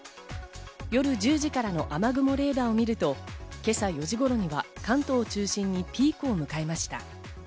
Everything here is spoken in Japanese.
夜１０時からの雨雲レーダーを見ると今朝４時頃には関東を中心にピークを迎えました。